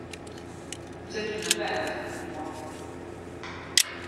Vous êtes une mère pour moi.